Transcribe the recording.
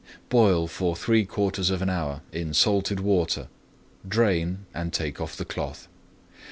Boil for three quarters of an hour in salted water, drain, and take off the cloth.